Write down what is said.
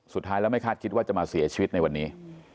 สุดท้ายแล้วไม่คาดคิดว่าจะมาเสียชีวิตในวันนี้